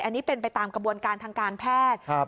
อันนี้เป็นไปตามกระบวนการทางการแพทย์